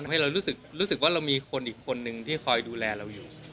ให้เรารู้สึกว่าเรามีคนอีกคนนึงที่คอยดูแลเราอยู่